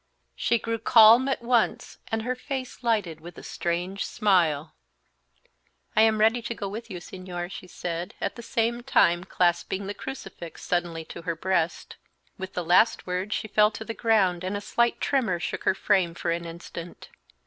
She grew calm at once and her face lighted with a strange smile. "I am ready to go with you, Señor," she said, at the same time clasping the crucifix suddenly to her breast. With the last word she fell to the ground and a slight tremor shook her frame for an instant.